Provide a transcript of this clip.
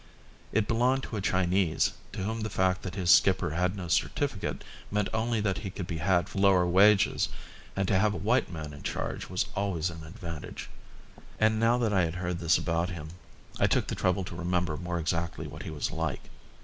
It belonged to a Chinese to whom the fact that his skipper had no certificate meant only that he could be had for lower wages, and to have a white man in charge was always an advantage. And now that I had heard this about him I took the trouble to remember more exactly what he was like.